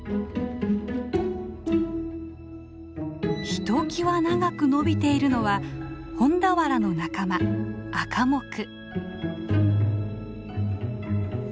ひときわ長く伸びているのはホンダワラの仲間アカモク。